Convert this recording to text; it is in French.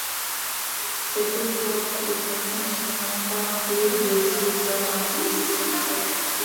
C'est pourquoi il ne continua pas plus de dix ans malgré ses succès.